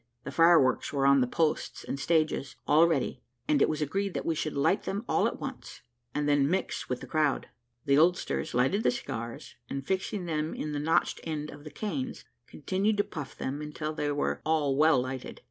The fireworks were on the posts and stages, all ready, and it was agreed that we should light them all at once, and then mix with the crowd. The oldsters lighted cigars, and fixing them in the notched end of the canes, continued to puff them until they were all well lighted.